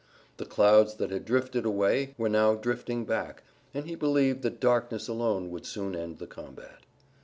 The clouds that had drifted away were now drifting back, and he believed that darkness alone would soon end the combat.